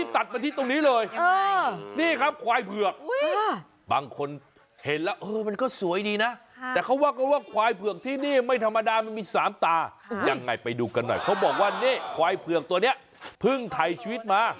ตอนนี้เพิ่งไทยชีวิตมา